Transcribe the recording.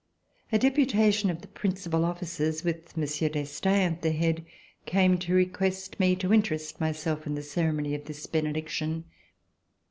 A deputation of the principal officers, with Monsieur d'Estaing at their head, came to request me to interest myself in the ceremony of this benediction.